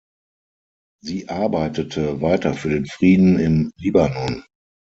Sie arbeitete weiter für den Frieden im Libanon.